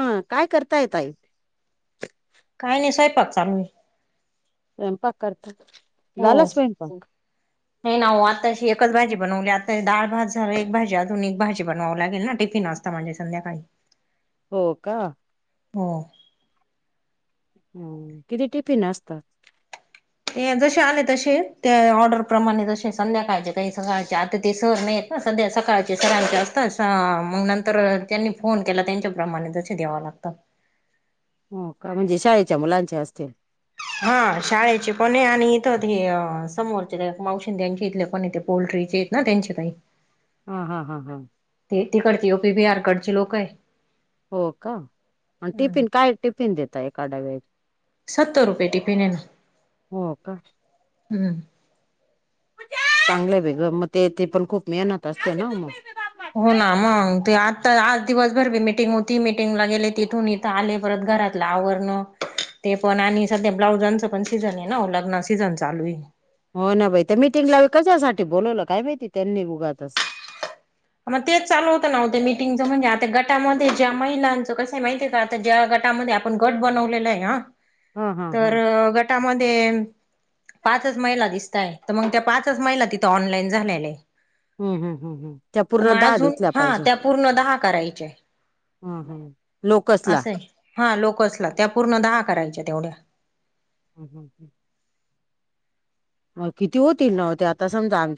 ह काय करतायेत ताई? काय नाय स्वयंपाक चालू ये. स्वयंपाक करता हो झाला स्वयंपाक? नाई ना हो आताशी एकच भाजी बनवली आ दाळ भात झालं एक भाजी अजून एक भाजी बनवावं लागेल ना टिफिन असत म्हणजे संध्याकाळी हो का? हो. हम्म किती टिफिन असतात? हे जसे आले तसे त्या ऑर्डरप्रमाणे जसे संध्याकाळचे काही सकाळचे आता ते सर नाईत. ह सध्या सकाळचे सरांचे असतात स अ मग नंतर त्यांनी फोन केला त्यांच्याप्रमाणे तसे द्यावं लागतात. हो का म्हणजे शाळेच्या मुलांचे असतील. हा शाळेचे पण ये आणि इथ हे समोरचे त्या मावशीचें त्यांच्या इथले कोणी ते पोल्ट्रीचे न त्यांचे ताई. हा हा हा हा. ते तिकडची यूपी बिहारकडचे लोक ये. हो का आणि टिफिन काय टिफिन देता एका डब्याचे? सत्तर रुपे टिफिने ना हो का हम्म. पुज्या.. चांगलंय बाईगं म ते ते पण खूप मेहनत असते न म हो ना मंग ते आता आज दिवसभर बी मिटिंग होती मिटिंगला गेले तिथून इ थ आले परत घरातलं आवरणं ते पण आणि सध्या ब्लाउजांच पण सीझन आहे ना ओ लग्नाचं सीझन चालूये हो ना बाई त्या मीटिंगलाबी कशासाठी बोलवलं काय माहिती त्यांनी उगाचच म तेच चालू होतं ना व त्या मीटिंगच म्हणजे आता गटामध्ये ज्या महिलांचं कसय माहितीय का आता ज्या गटामध्ये आप ण गट बनवलेलाय ना हा हा हा तर गट टा मधे पाचच महिला दिसतायत मंग त्या पाचच महिला तिथं ऑनलाईन झालेल्या आहे हम हम हम हम त म अजून हा त्या पूर्ण दहा करायच्याय हम हम लोकसला हा लोकसला त्या पूर्ण दहा करायच्या तेवढ्या हम हम हम मग किती होतील अ त्या आता समजा आम-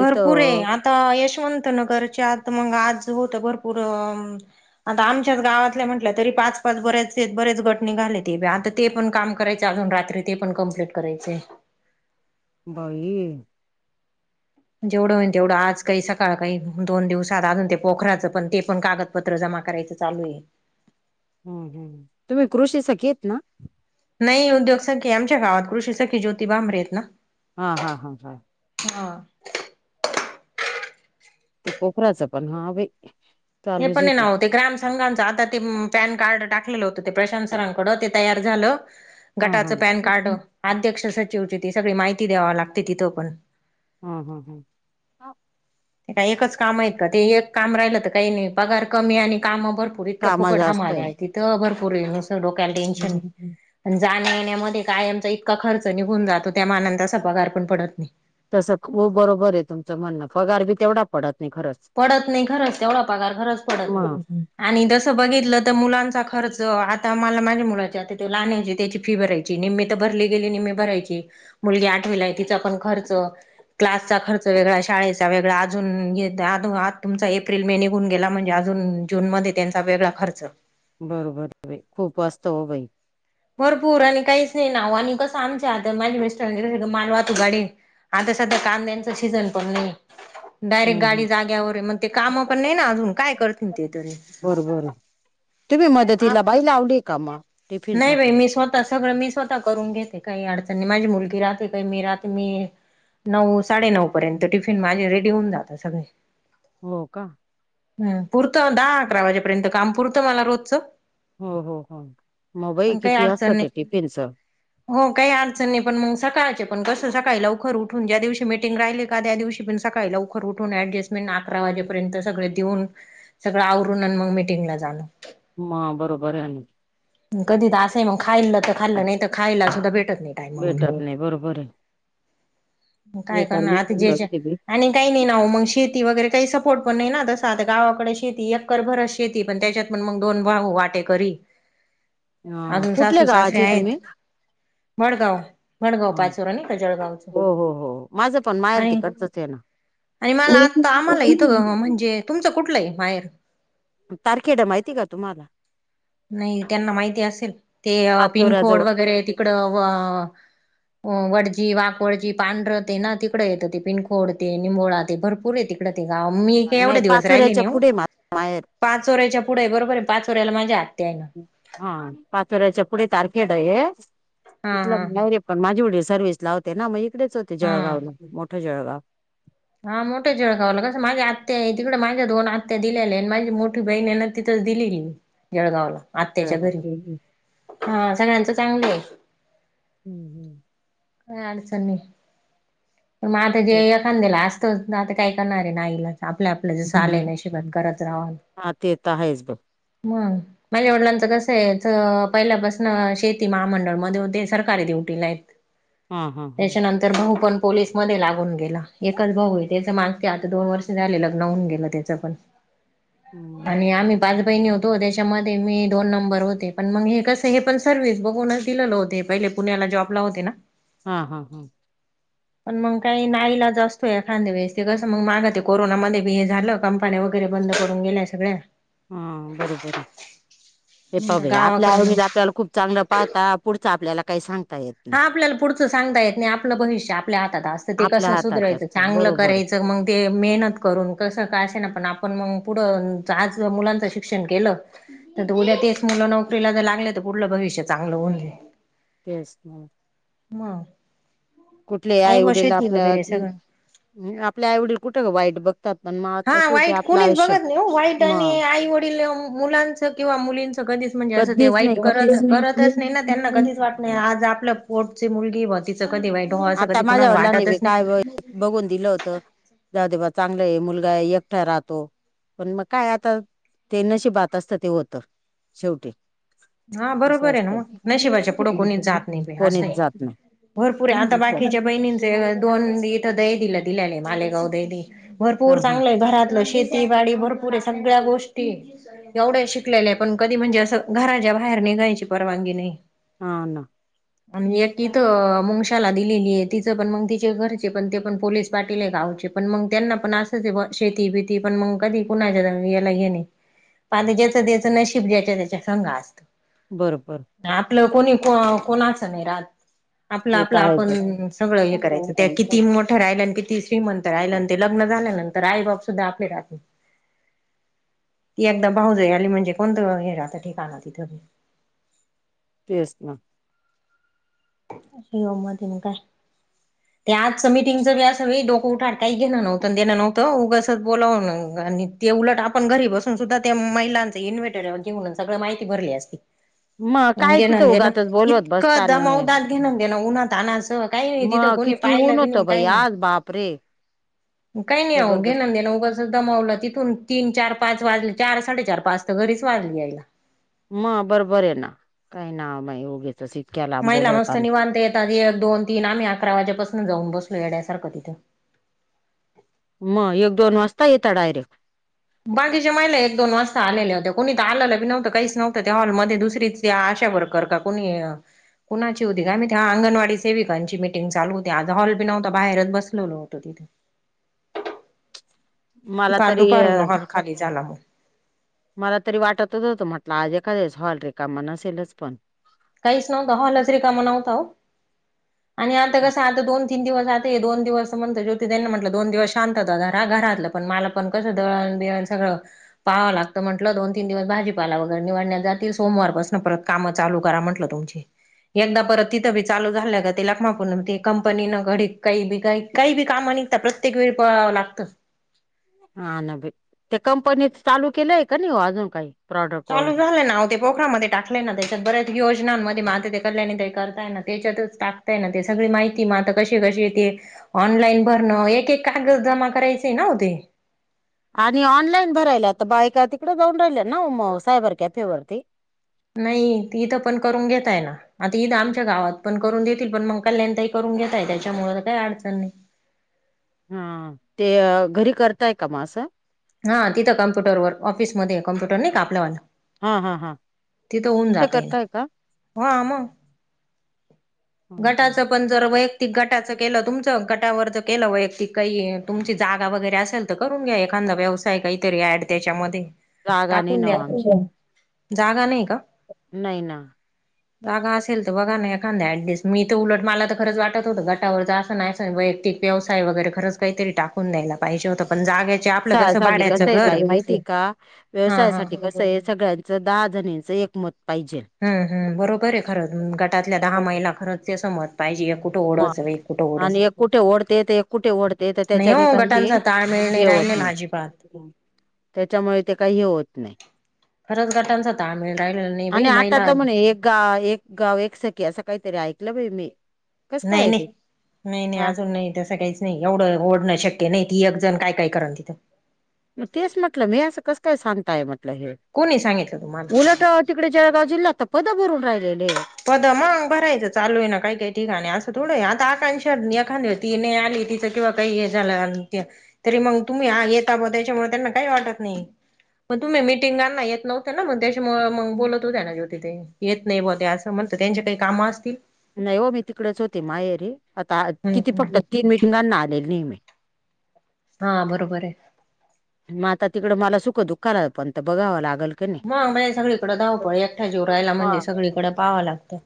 भरपूर आहे आता यशवंत नगरच्या आत मंग आज होतं भरपूर- आता आमच्याच गावातल्या म्हटल्या तरी पाच पाच बर्याचेत बरेच गट निघाले ते बई आता ते पण काम करायचय अजून रात्री ते पण कंप्लीट करायचय बाई जेवढं हुईन तेेवढं आज काही सकाळ काही दोन दिवसात अजून ते पोखराचं पण ते पण कागद- पत्र जमा करायचं चालूये हम हम तुम्ही कृषीचं केलत ना नई उद्योग सखी आमच्या गावात कृषी सखी ज्योती भांबरे आहेत ना हा हा हा हा हा ते पोखराचं पण हा बाई ते चालू पण जे आहे ना व ते ग्रामच- संघांच आता ते पॅन कार्ड टाकलेलं होतं ते प्रशांत सरांकड ते तयार झालं हा हा गटाचं पॅन कार्ड अध्यक्ष सचिवची ती सगळी मायती द्यावं लागते तिथं पण हम हम हम ते का एकच काम आहे का ते एक काम राहिलं तर काई नाही पगार कमी आणि कामं भरपूर इतकं कामा फुकट जास्त हमाल्या आहे हाय तीत त भरपूर आहे नुसतं डोक्याला टेन्शन अन जाण्या येण्यामध्ये काय आमचा इतका खर्च निघून जातो त्या मानानं तसा पगार पण पडत नई तसं खुप बरोबर आहे तुमचं म्हणणं पगार बी तेवढा पडत नई खरंच्- पडत नाही खरंच तेवढा पगार खरंच पडत नाही मग आणि तसं बघितलं त मुलांचा खर्च आता मला माझ्या मुलाचे आता ते लाहानण्याची त्याची फी भरायचीय ची निम्मी त भरली गेली निम्मी भरायची मुलगी आठवीला आहे तिचा पण खर्च क्लासचा खर्च वेगळा शाळेचा वेगळा अजून हे ते आदु आज तुमचा एप्रिल मे निघून गेला म्हणजे अजून जून मध्ये त्यांचा वेगळा खर्च बरोबर बाई खुप असतं हो बाई भरपूर आणि काईच नाही ना व आणि कसं आमच्या आता माझी मीस्टरांची कशी ग मालवाहतूक गाडीय- आता सध्या कांद्यांचा सीजन पण नई डायरेक्ट हम्म हम्म. गाडी जाग्यावर हे मग ते कामं पण नाही ना अजून काय करतीन ते तरी बरोबर आहे तुम्ही मदतीला बाई लावलीय का म नई बई मी स्व सगळं मी स्वता करून घेते काई अडचण नी माझी मुलगी राहते काई मी राहते मी नऊ साडे नऊ पर्यंत टिफिन माझे रेडी होऊन जातात सगळे. हो का. ह पुरत दहा अकरा वाजेपर्यंत काम पुरतं मला रोजचं. हो हो हो मोबाई पण काही किती अडचण असतात नाही टीफिनच? हो काही अडचणणी नाही पण मग सकाळचे पण कसं सकाळी लवकर उठून ज्या दिवशी मिटिंग राहिले का त्या दिवशी पण सकाळी लाऊ उठून ऍडजस्टमेंट अकरा वाजेपर्यंत सगळे देऊन सगळं आवरून आणि मग मीटिंगला जाणं. हा बरोबर आहे. कधी तर असंय मग खाल्लं तर खाल्लं नाही तर खायला सुद्धा भेटत नाही. टायमावर भेटत नाही बरोबर आहे. काय बेकार करण आता मेहनत ज्याच्या असते बाई आणि काही नाही नाव मग शेती वगैरे काही सपोर्ट पण नाही ना तसं आता गावाकडे शेती एक्कर भरस शेती पण त्याच्यात ण मग दोन भाउ वाटेकरी. अ अजून कुठल्या गावाचे तुम्ही? मडगाव मडगाव पाचो र न का जळगावच. हो हो हो माझं पण माहेर आणि तिकडचंच आहे ना. आणि मला आता इथं म्हणजे तुमच कुठलं आहे‌ माहेर? तारखेड माहिती का तुम्हाला? नाही त्यांना माहिती असेल ते पिनकोड पाचोऱ्याजवळ वगैरे तिकडं अ वडजी वाकवडजी पांढरं ते ना तिकडे येतं ते पिनखोड ते निंबोळा ते भरपूर आहे ते. का मी का एवढा नाही दिवस राहिले पाचोऱ्याच्या नाही ओ. पुढे माझं माहेर. पाच वरेच्या पुढे बरोबर आहे पाचोर्याला माझ्या आत्या आहे. हा पाच वऱ्याच्या पुढ तारखेड आहे हा तथलं हा मग पण माझी वडील सर्व्हिस लावते ना मग इकडेच होते हा जळगावला मोठं जळगाव. हा मोठे जेळगावलं कसं माझे आ- तिकडे माझ्या दोन आत्या दिलेल्या माझी मोठी बहीण आहे ना तिथच दिली मी जळगावला. आत्याच्या जळगाव घरी हा सगळ्यांचं चांगलं आहे. हम्म हम्म. काय अडचण नाही मग आता जे एखानद्याला असतंच आता काय करणार आहे ना आईला. आपल्या आपलं जसं आलेय नशिबात करत राहाल. हा ते तर आहेच बघ. हम माझ्या वडलांच कसं आहे? पहिल्यापासन शेती महामंडळ मध्ये होते सरकारी नोकरी आहेत. हा हा हा [unintelligible] तर भाऊ पण पोललीस मध्ये लागून गेला एकच भाऊ आहे त्याच माणस ते आता दोन वर्ष झाले लग्न होन गेलं त्याचं पण. [inaudible] हम्म. आणि आम्ही पाच बहिणी होतो त्याच्यामध्ये मी दोन नंबर होते पण मग हे कस हे पण सर्विस बघूनच दिलेलं होते पहिले. पुण्याला जॉब होती ना. हा हा हा. पण मग काही नाहीईलाच असतोय एखांदे वेळे ते कसं मग माग ते कोरोनामध्ये हे झालं. कंपन्या वगैरे बंद पडून गेल्याय सगळ्या. हा बरोबर हे पब आपल्या गावाकडं मग आवडीला आपल्याला खूप चांगलं पाहता पुढच आपल्याला काही सांगता येत. नाही. हा आपल्याला पुढचं सांगता येत नाही. आपलं भविष्य आपल्या हातात असतं ते आपल्या कसं हातात सुधरायचं असतं चांगलं बरोबर आहे. करायचं मग ते मेहनत करून कसं का असेना पण आपण मग पुढं आज मुलांचं शिक्षण केलं तर ते उद्या तेच मुलं नोकरी ला जर लागले तर पुढलं भविष्य चांगलं होऊन जाइल तेच ना म कुठले आईवडील वगैरे आपलं, सगळं आपल्या आईवडील कुठं ग वाईट बघ हा, वाईट कोणीच बघत नाही ओ, वाईट आणि मग आई वडील मुलांच किंवा मुलींच कधीच- म्हणजे अस ते कधीच नाही वाईट करत कधीच करतच नायी ना, त्यांना कधीच वाट नायी नाही. आज आपलं पोटची मुलगीय बाॅ तिंच कधी वाईट? हो असं आता कधी माझ्या कुणाला वडिलांनी बी वाटतच नाही काय बघी काय बघून दिल होतं त, जावदे बा चांगलाय, मुलगा एकटा राहतो पण मग काय आता, ते नशीबात असतं ते होत. शेवटी हा असं बरोबरय ना असतं मग, नशिबाच्या पुढं कोणीच जात नायी बाई कोणीच असंय जात नाही. भरपूर, आता बाकीच्या असं. बहिणींचे दोन इथं दै दिला दिलेलेय मालेगाव दैदी हा भरपूर हा चांगलंय, घरातलं शेतीवाडी भरपू पुरे सगळ्या गोष्टी, एवढ्या शिकलेल्या पण कधी म्हणजे अस घरा- च्या बाहेर निघायची परवानगी नायी हा ना आणि एक इथं मुंगशाला दिलेलीय तिचं पण मग तिचे घरचे पण ते पण पोलीस पाटीलय गावचे पण मग त्यांना पण असंचय बाॅ शेती बिती, पण मग कधी कुणाच्या हे नायी आणि ज्याचं त्याचं नशीब ज्याच्या त्याच्या संग अस बरोबर आपलं कोणी, को कोणाचं नायी राहत आपलं, ते आपलं तर आहेच बघ. आपण सगळं हे करायचं त्या किती मोठ ठ्या राहिल्यान, कीती श्रीमंत राहिल्यान ते लग्न झाल्यानंतर आई बाप सुद्धा आपले राहत नायी एकदा भाऊजय आली म्हणजे कोणतं हे राहतं? ठिकाणा तिथं तेच ना अशी गंमतय नं काय? [inaudible] ते आजच मिटिंगचं बी असं बी डोकं उठायच काही घेणं नव्हतं, देणं नव्हतं, उगाचच बोलावून आणि ते उलट आपण घरी बसून सुद्धा ते महिलांचे [unintelligible] सगळ माहिती भरली असती मग काय तिथे घेणंन देणं उगाचच बोलवत इतकं बसतानी दमावतात, घेणनं देणनं ना उन्हातान्हाच कायी नायी, तिथं मग कोणी किती ऊन पाहिलं बी नायी, होतं न बाई कायी नायी आज बापरे मग कायी नाही, आवो जबरदस्त घेणन देणं उगचच दमवलं तिथून तीन, चार, पाच वाजले, चार, साडे चार, पाच तर घरीच वाजले यायला म बरोबरय ना, काही ना बाई उगीचच इ महिला मस्त निवांता येतात, एक, दोन, तीन. आम्ही अकरा वाजेपासून जाऊन बसलो येड्यासारखं तिथं मग एक, दोन वाजता येता डायरेक्ट? बाकीच्या महिला एक, दोन वाजता आलेल्या होत्या, कोणी तर आलेलं बी नव्हतं काहीच नव्हतं, त्या हॉलमध्ये दुसरी आशा वरकर का कोणी? कुणाची होती काय माहीती, ते अंगणवाडी सेविकांची मीटिंग चालू होती, आता हॉल बी नव्हता, बाहेरच बसलेलो होतो तिथं मला काल तरी दुपारून हाॅल खाली झाला मग मला तरी वाटतच होतं, म्हटलं आज एखादेच हॉल रीकामा नसेलच पण काहीच नव्हतं, हाँलच रिकामा नव्हता वो आणि आता कस आता दोन तीन दिवस जाते‌. दोन दिवस म्हणत ज्योति ताईनां म्हटलं दोन दिवस शांतता धरा, घरातलं पण मला पण कसं दळण बिळण सगळं- पाहवं लागतं म्हटलं, दोन, तीन दिवस भाजीपाला वगैरे निवडण्यात जातील, सोमवार पासून परत कामाचा लोड करा म्हटलं तुमची एकदा परत तिथं बी चालू झालय ग तिला कमाकून त कंपनी न घडीत काही बी काही. काही बी कामं निघता प्रत्येक वेळी पळावं लागतं. हा, ना बाई त्या कंपनीच चालू केलंय का नाही हो अजून काही? प्रॉडक्ट चालू वगैरे झालय ना ऑफिस कोकणामध्ये टाकले ना, त्याच्यात बऱ्याच योजनांमध्ये मग त्या कल्याणी ताई करताय ना त्याच्यातच टाक- ना ते सगळी माहिती मग आता कसे कसे ते ऑनलाईन भरणं एक, एक कागद जमा करायचंय ना ते आणि ऑनलाईन भरायला आता बायका तिकडे जाऊन राहिल्या ना सायबर कॅफे वरती नाही इथं पण करून घेतय ना? आता इथे आमच्या गावात पण करून देतील पण मग कल्याणी ताई करून घेताय त्याच्यामुळेळ काही अडचण नाही. हा ते घरी करताय का म असं हा तिथं कॉम्प्युटर वर ऑफिसमध्ये कॉम्पुटर नाही का आपलं वालं. हा हा हा तिथं होऊन जात आहे ना करताय का? हं आ मग गटाचं पण जर वैयक्तिक गटाचं केलं तुमचं गटावर ज केलं वैयक्तिक काही तुमची जागा वगैरे असेल. करून घ्या एखादा व्यवसाय काहीतरी एड त्यांच्यामध्ये जागा नाही ना वो आमची जागा नाही का? नाही ना. जागा असेल तर बघा ना. तर उलट मला तर खरंच वाटत होतं गटावरचा असं नाही वैक्तिक व्यवसाय वगैरे खंच काहीतरी टा- होऊन द्यायला पाहिजे होत पण जागा- व्यवसायसाठी कसं आहे ताई माहितीय का? हा हा व्यवसायासाठी कसं - सगळ्या दहा जणीचं एकमत पाहिजे. हम्म हम् बरोबर आहे खरं गटातल्या दहा महिला खरंच ते समज- ह आणि एक कुठे ओढते तर एक कुठे ओढते तर नाही हो त्याच्याने काही गटांचा देन- ताळमेळ हे होत राहिलेला नाही अजिबात त्याच्यामुळे ते काहीही होत नाही. खरंच गटांचा ताळमेळ राहिलेला नाही बाई आणि महिला आता म्हणे एक गाव एकसखी असं काहीतरी ऐकलं बाई मी कसं काय नाही, आहे ते? नाही, नाही, नाही हा अजून नाही तसं काहीच. नाही एवढं ओढणं शक्य नाही ती एक जण काय, काय करण तिथं- तेच म्हटलं मी असं कस काय सांगताय म्हटलं हे कोणी सांगितलं तुम्हाला उलट- तिकडे जळगाव जिल्हात तर पद भरून राहिलेले आहेत. पद मग भरायचं चालू आहे ना काही, काही ठिकाणी असं थोडं आहे आता आकांक्षा एखादं - ती नाही आली तिचं किंवा काही हे झालं तरी मग तुम्ही येता ब त्याच्यामुळे त्यांना काही वाटत नाही. मग तुम्ही मिटिंगांना येत नव्हत्या ना मग त्यामुळे मग बोलत होत्या ना ज्योतीताई येत नाही बा त्या म्हणत त्यांच्या काही काम असतील. नाही हो मी तिकडेच होते माहेरी आता हम्म किती हम्म फक्त तीन मिटिंगांना आलेली नाही मी हा बरोबर आहे. मग आता तिकडे मला सुख, दुःखाला पणं बघावं लागेल. मग बा सगळीकडे धावपळ एकट्या जीव रहायला म्हणजे हा. सगळीकडें पाहावं लागतं.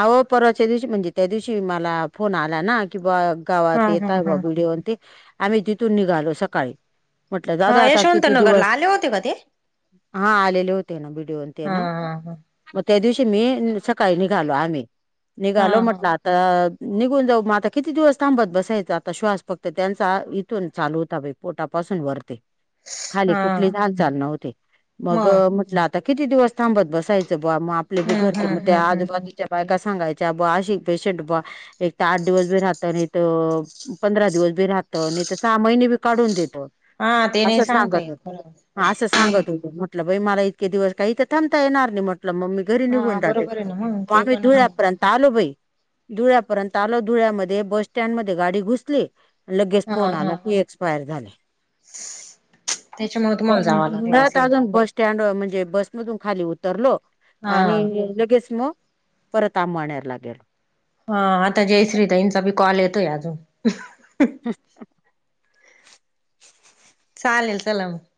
अहो परवाच्या दिवशी म्हणजे त्यादिवशी मला फोन आला ना, की बघ हा गावात हा येताव हा बांबू घेऊन ते, आम्ही तिथून निघालो सकाळी. म्हटलं जाऊद्या हा आता किती यशवंतनगरला दिवस, आले होते का ते? हा आलेले होते ना बीडीओन ते हा ना. हा हा. मग त्यादिवशी मी सकाळी निघालो आम्ही, हा निघालो हा म्हटलं आ- ता निघून जाऊ मग आता किती दिवस थांबत बसायचा आता श्वास फक्त त्यांचा इथून चालू होता बाई. पोटापासून वरती, खाली हा कुठलीच हालचाल नव्हती मग म्हटलं आ ता किती दिवस थांबत बसायचं बा आपले बी हम्म घरचे हम्म मग ते हम्म हम्म आधी बग, हम्म. त्या बायका सांगायच्या बा अशी पेशंट बा एक तर आठ दिवस बी राहत नाही तर, पंधरा दिवस बी राहत नाही तर सहा महिने बी काढून देत. हा ते नाही सांगता येत बरोबर. हा असं सांगत होते म्हटलं बाई मला इतके दिवस काही इथ थांबता येणार नाही म्हटलं मग मी घरी हा निघून जाते, बरोबर आहे ना मग ते आले पण आहे. धुळ्यापर्यंत, त आलो बाई, धुळ्यापर्यंत आलो धुळ्यामध्ये बसस्टँडमध्ये गाडी घुसली, लगेच हा फोन हा आला हा की एक्सपायर झाले. त्याच्यामुळे तुम्हाला जावं लागलं निम्यात असेल. अजून बस स्टँड म्हणजे बसमधून खाली उतरलो हा. आणि लगेच मग, परत आंबाणेरला गेलो. हा आता जयश्री ताईंचा बी कॉल येतोय अजून. [inaudible] चालेल चला मग.